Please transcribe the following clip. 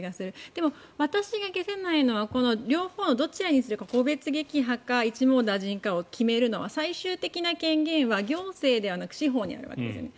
でも、私が解せないのは両方どちらにするのか個別撃破は一網打尽かを決めるのは最終的な権限は行政ではなく司法にあるわけですよね。